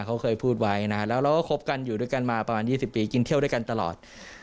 เขาเคยพูดไว้นะฮะแล้วเราก็คบกันอยู่ด้วยกันมาประมาณ๒๐ปีกินเที่ยวด้วยกันตลอด